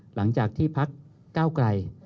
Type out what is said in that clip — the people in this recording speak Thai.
หลังจากที่พักก้าวไกล